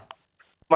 kalau saya tidak salah